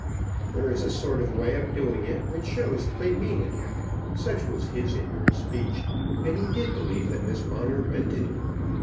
"There is a sort of way of doing it, which shows that they mean it." Such was his inward speech; and he did believe that Miss Bonner meant it.